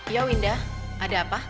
yo winda ada apa